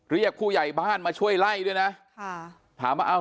เรียกผู้ใหญ่บ้านมาช่วยไล่ด้วยนะค่ะถามว่าเอา